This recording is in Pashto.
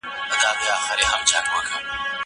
زه له سهاره د تکړښت لپاره ځم!